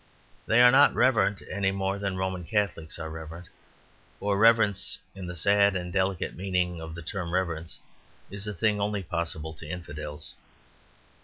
They are not reverent any more than Roman Catholics are reverent, for reverence in the sad and delicate meaning of the term reverence is a thing only possible to infidels.